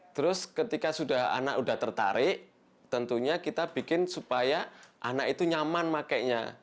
terus ketika sudah anak sudah tertarik tentunya kita bikin supaya anak itu nyaman pakainya